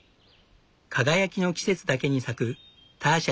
輝きの季節だけに咲くターシャ